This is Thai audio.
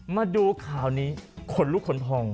มาดูข่าวนี้ขนลุกขนพอง